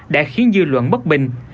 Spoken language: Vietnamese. đã khiến dư luận bất bình